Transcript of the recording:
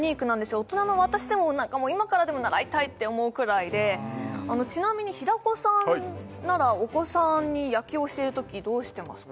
大人の私でも今からでも習いたいって思うくらいでちなみに平子さんならお子さんに野球を教えるときどうしてますか？